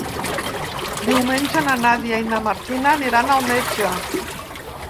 Diumenge na Nàdia i na Martina aniran al metge.